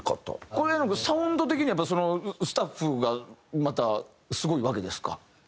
これ絵音君サウンド的にはやっぱそのスタッフがまたすごいわけですか？